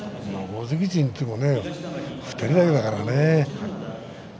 大関陣といっても２人だからね。